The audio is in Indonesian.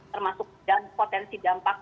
termasuk dan potensi dampak